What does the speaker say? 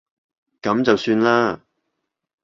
噉就算啦